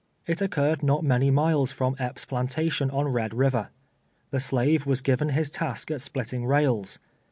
It occurred not many miles from Epps' jilantation on Tied River. The slave was given his task at splitting rails.